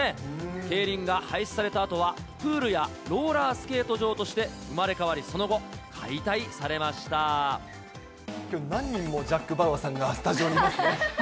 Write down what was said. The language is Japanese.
競輪が廃止されたあとは、プールやローラースケート場として生まれ変わり、その後、解体さきょう、何人もジャック・バウアーさんがスタジオにいますね。